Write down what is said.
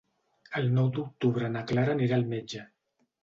El nou d'octubre na Clara anirà al metge.